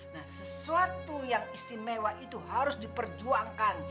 nah sesuatu yang istimewa itu harus diperjuangkan